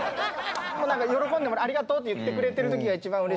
喜んでもらってありがとうって言ってくれてる時が一番嬉しい。